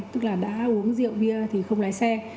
tức là đã uống rượu bia thì không lái xe